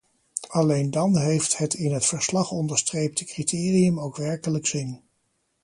Alleen dan heeft het in het verslag onderstreepte criterium ook werkelijk zin.